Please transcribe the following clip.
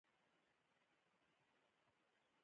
علي مسجد اشغال کړ او جلال اباد پر لور یې حرکت پیل کړ.